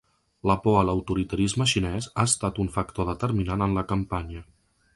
La por a l’autoritarisme xinés ha estat un factor determinant en la campanya.